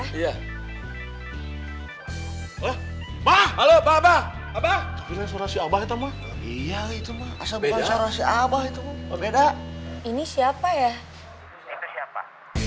hai mah halo papa apa apa itu mah iya itu mah asal berhasil apa itu beda ini siapa ya